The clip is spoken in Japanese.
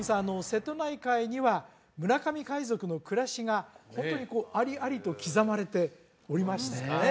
瀬戸内海には村上海賊の暮らしがホントにこうありありと刻まれておりましたよね